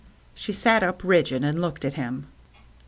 She sat up, rigid, and looked at him.